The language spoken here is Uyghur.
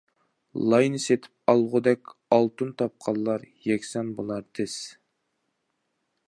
لاينى سېتىپ ئالغۇدەك، ئالتۇن تاپقانلار يەكسان بولار تېز.